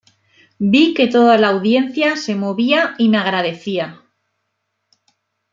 Vi que toda la audiencia se movía y me agradecía.